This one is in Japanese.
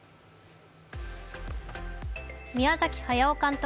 宮崎駿監督